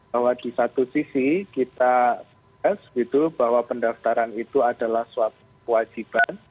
bahwa di satu sisi kita bahwa pendaftaran itu adalah suatu kewajiban